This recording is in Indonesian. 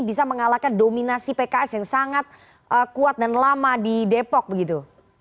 bisa mengalahkan dominasi pks yang sangat kuat dan lama di depok begitu